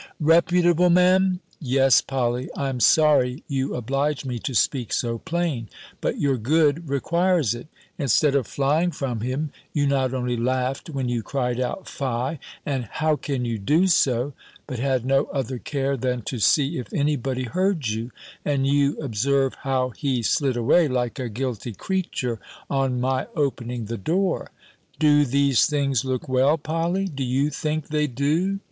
"Reputable, Me'm!" "Yes, Polly: I am sorry you oblige me to speak so plain. But your good requires it. Instead of flying from him, you not only laughed when you cried out, 'Fie!' and 'How can you do so?' but had no other care than to see if any body heard you; and you observe how he slid away, like a guilty creature, on my opening the door Do these things look well, Polly? Do you think they do?